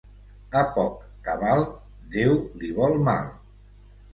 A poc cabal, Déu li vol mal.